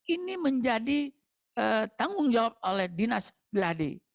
ini menjadi tanggung jawab oleh dinas beladi